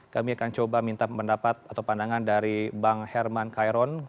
kami akan coba minta pendapat atau pandangan dari bang herman kairon